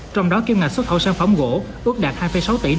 trong đó kim ngạch xuất khẩu sản phẩm gỗ ước đạt hai sáu tỷ usd